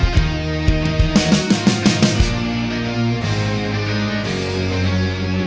ya udah udah nyebelin